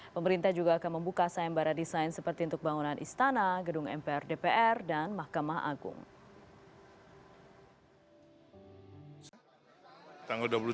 pemerintah juga akan membuka sayembara desain seperti untuk bangunan istana gedung mpr dpr dan mahkamah agung